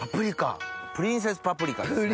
プリンセスパプリカですね。